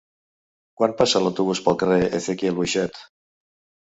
Quan passa l'autobús pel carrer Ezequiel Boixet?